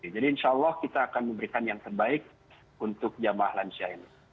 jadi insya allah kita akan memberikan yang terbaik untuk jamaah lansia ini